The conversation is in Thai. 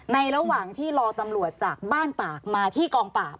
ระหว่างที่รอตำรวจจากบ้านตากมาที่กองปราบ